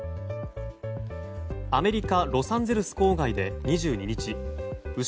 アメリカ・ロサンゼルス郊外で２２日牛